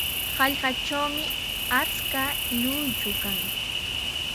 Hallqatrawmi achka lluychu kan.